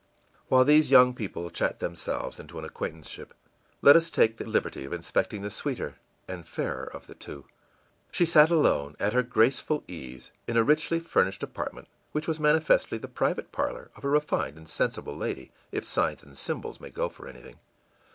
î While these young people chat themselves into an acquaintanceship, let us take the liberty of inspecting the sweeter and fairer of the two. She sat alone, at her graceful ease, in a richly furnished apartment which was manifestly the private parlor of a refined and sensible lady, if signs and symbols may go for anything.